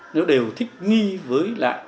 nó đều thích nghi với lại